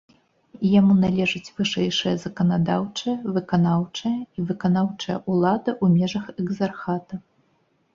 Яму належыць вышэйшая заканадаўчая, выканаўчая і выканаўчая ўлада ў межах экзархата.